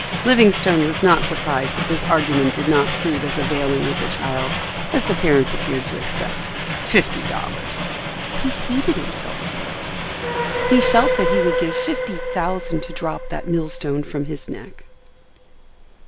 Livingstone was not surprised that this argument did not prove as availing with the child as the parents appeared to expect.—Fifty dollars! He hated himself for it. He felt that he would give fifty thousand to drop that millstone from his neck.